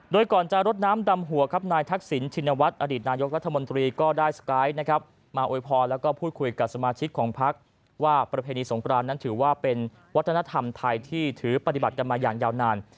โดยก่อนจะรดน้ำดำหัวครับนายทักษิณชินวัฒน์อดีตนายกรัฐมนตรีก็ได้สกายนะครับมาโวยพรแล้วก็พูดคุยกับสมาชิกของพักว่าประเพณีสงกรานนั้นถือว่าเป็นวัฒนธรรมไทยที่ถือปฏิบัติกันมาอย่างยาวนาน